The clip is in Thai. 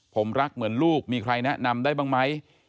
ผมรักเหมือนลูกมีใครแนะนำได้บ้างไหม